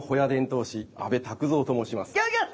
ギョギョッ！